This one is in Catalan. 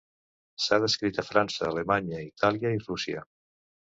S'ha descrit a França, Alemanya, Itàlia i Rússia.